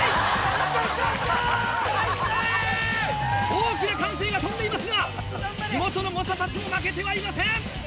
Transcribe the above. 大きな歓声が飛んでいますが地元の猛者たちも負けてはいません！